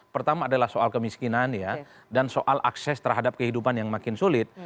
pertama adalah soal kemiskinan ya dan soal akses terhadap kehidupan yang makin sulit